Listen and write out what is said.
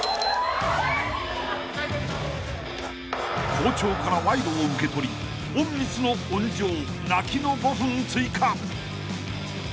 ［校長から賄賂を受け取り隠密の温情泣きの５分追加］